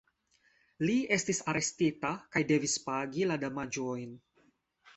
Li estis arestita kaj devis pagi la damaĝojn.